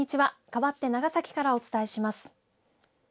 かわって長崎からお伝えします。